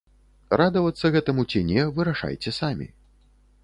Радавацца гэтаму ці не, вырашайце самі.